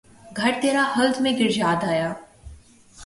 گھر ترا خلد میں گر یاد آیا